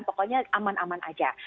pokoknya aman aman aja